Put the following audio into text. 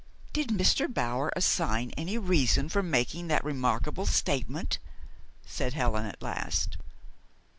"Did Mr. Bower assign any reason for making that remarkable statement?" said Helen at last.